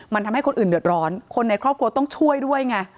มันทำให้คนอื่นเดือดร้อนคนในครอบครัวต้องช่วยด้วยไง